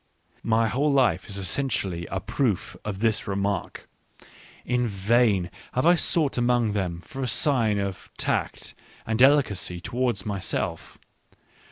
My whole life is essenti ally a proof of this remark. In vain have I sought among them for a sign of tact and delicacy towards myself.